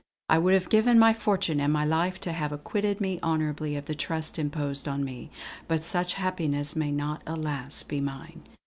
I would have given my fortune and my life to have acquitted me honourably of the trust imposed on me. But such happiness may not alas! be mine.